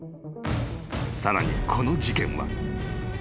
［さらにこの事件は］